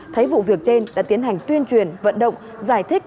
thấy vụ việc trên đã tiến hành tuyên truyền vận động giải thích